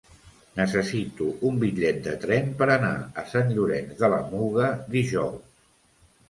Necessito un bitllet de tren per anar a Sant Llorenç de la Muga dijous.